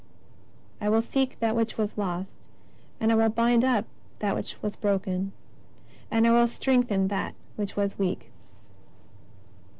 " I will seek that which was lost, and I will bind up that which was broken, and I will strengthen that which was weak."